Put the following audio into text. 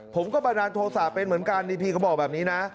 ผมก็ประดานโทษะเป็นเหมือนกันพี่เขาบอกแบบนี้นะ